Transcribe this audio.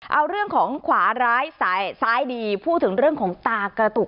เอาเรื่องของขวาร้ายซ้ายดีพูดถึงเรื่องของตากระตุก